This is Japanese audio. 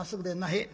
へえ。